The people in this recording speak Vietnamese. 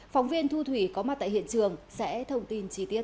phóng viên thu thủy có mặt tại hiện trường sẽ thông tin chi tiết